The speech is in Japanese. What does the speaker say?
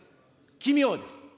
奇妙です。